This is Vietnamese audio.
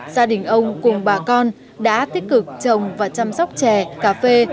gia đình ông cùng bà con đã tích cực trồng và chăm sóc chè cà phê